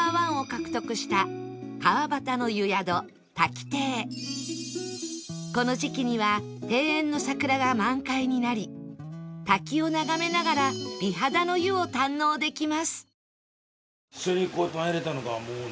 こちらはこの時期には庭園の桜が満開になり滝を眺めながら美肌の湯を堪能できます